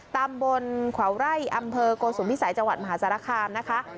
ต่ำบนขวาวไร้อำเภอกโกสุมพิสัยจวัดมหาศาลาคาร์มนะคะ